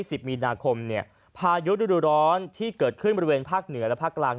วันที่๑๐มีนาคมพายุร้อนที่เกิดขึ้นบริเวณภาคเหนือและภาคกลาง